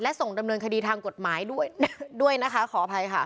ส่งดำเนินคดีทางกฎหมายด้วยด้วยนะคะขออภัยค่ะ